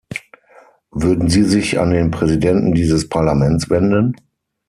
Würden Sie sich an den Präsidenten dieses Parlaments wenden?